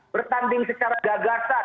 bertanding secara gagasan